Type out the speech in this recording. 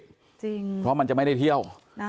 เพราะว่ามันจะไม่ได้เที่ยว